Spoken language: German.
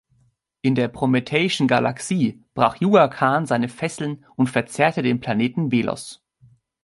In der Prometheischen Galaxie brach Yuga Khan seine Fesseln und verzehrte den Planeten Velos.